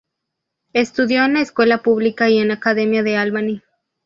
Estudió en la escuela pública y en la Academia de Albany.